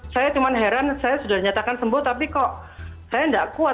saya cuma heran saya sudah nyatakan sembuh tapi kok saya tidak kuat